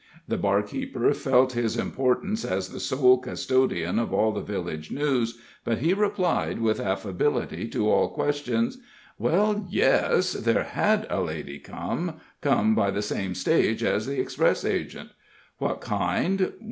The barkeeper felt his importance as the sole custodian of all the village news, but he replied with affability to all questions: "Well, yes; there had a lady come; come by the same stage as the express agent. What kind?